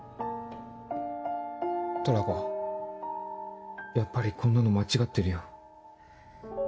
トラコやっぱりこんなの間違ってるよ。